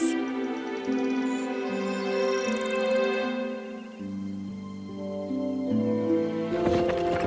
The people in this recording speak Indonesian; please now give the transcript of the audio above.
tidak aku menemukannya